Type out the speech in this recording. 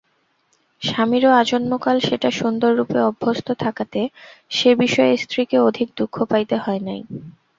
স্বামীরও আজন্মকাল সেটা সুন্দররূপে অভ্যস্ত থাকাতে সে বিষয়ে স্ত্রীকে অধিক দুঃখ পাইতে হয় নাই।